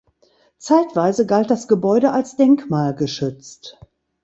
Zeitweise galt das Gebäude als denkmalgeschützt.